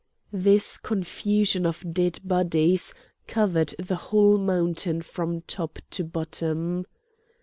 This confusion of dead bodies covered the whole mountain from top to bottom.